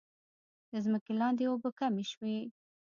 د ځمکې لاندې اوبه کمې شوي؟